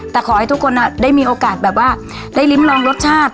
แต่ขอให้ทุกคนได้มีโอกาสแบบว่าได้ริมลองรสชาติ